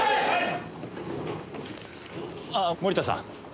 ああ森田さん。